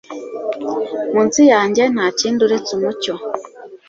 Munsi yanjye ntakindi uretse umucyo